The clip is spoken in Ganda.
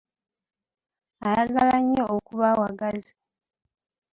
Ayagala nnyo okuba awagazi.